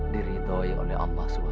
diritoi oleh allah swt